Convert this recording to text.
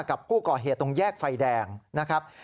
กับผู้ก่อเหตุตรงแยกไฟแดงนะครับ